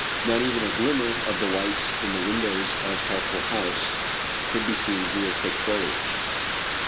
Not even a glimmer of the lights in the windows of Healthful House could be seen through the thick foliage.